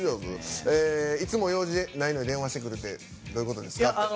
いつも用事ないのに電話してくるってどういうことですかって。